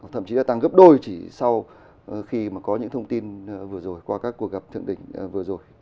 thậm chí là tăng gấp đôi chỉ sau khi mà có những thông tin vừa rồi qua các cuộc gặp thượng đỉnh vừa rồi